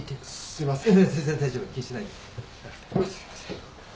すいません。